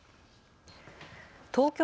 東京